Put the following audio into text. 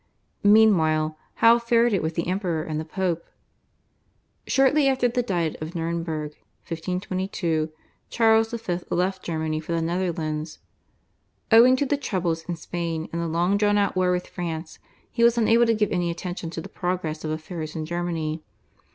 Meanwhile, how fared it with the Emperor and the Pope? Shortly after the Diet of Nurnberg (1522) Charles V. left Germany for the Netherlands. Owing to the troubles in Spain and the long drawn out war with France he was unable to give any attention to the progress of affairs in Germany.